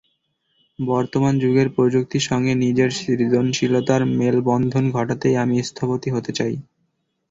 বর্তমান যুগের প্রযুক্তির সঙ্গে নিজের সৃজনশীলতার মেলবন্ধন ঘটাতেই আমি স্থপতি হতে চাই।